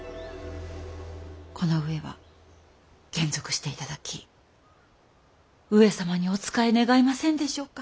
この上は還俗して頂き上様にお仕え願えませんでしょうか。